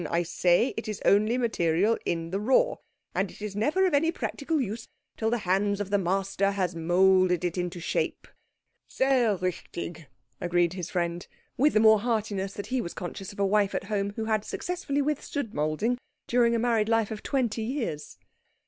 I say it is only material in the raw. And it is never of any practical use till the hand of the master has moulded it into shape." "Sehr richtig," agreed the friend; with the more heartiness that he was conscious of a wife at home who had successfully withstood moulding during a married life of twenty years.